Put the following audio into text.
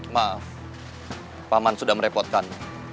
maaf paman sudah merepotkan